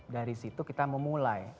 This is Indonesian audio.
dari situ kita memulai